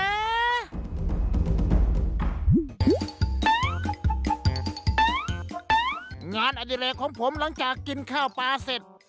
งานอดิเลกของผมหลังจากกินข้าวปลาเสร็จ